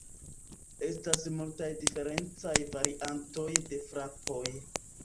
Estas multaj diferencaj variantoj de frapoj.